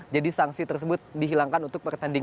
jadi sanksi tersebut dihilangkan untuk pertandingan